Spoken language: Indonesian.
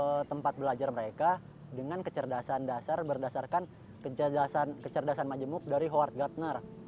kita sediakan tempat belajar mereka dengan kecerdasan dasar berdasarkan kecerdasan majemuk dari howard gardner